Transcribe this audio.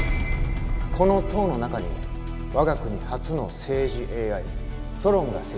この塔の中に我が国初の政治ＡＩソロンが設置されております。